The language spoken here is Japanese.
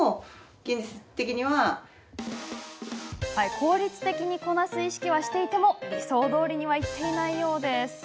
効率的にこなす意識はしていても理想どおりにはいっていないよう。